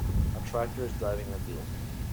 A tractor is driving in a field.